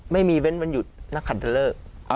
ไม่มีเว้นวันหยุดนักคันเทอร์เลอร์